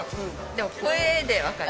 でも声でわかる。